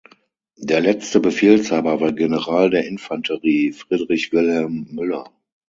Der letzte Befehlshaber war General der Infanterie Friedrich-Wilhelm Müller.